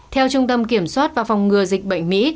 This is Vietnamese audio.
theo trung tâm kiểm soát và phòng ngừa dịch bệnh mỹ